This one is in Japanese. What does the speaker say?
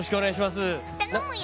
頼むよ。